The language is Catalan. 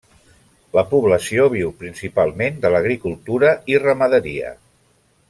La població viu principalment de l'agricultura i ramaderia.